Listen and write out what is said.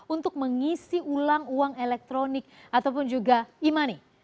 untuk mengisi ulang uang elektronik ataupun juga e money